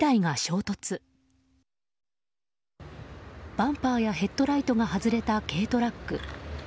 バンパーやヘッドライトが外れた、軽トラック。